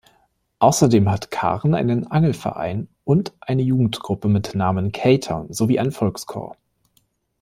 Außerdem hat Kahren einen Angelverein und eine Jugendgruppe mit Namen K-Town sowie einen Volkschor.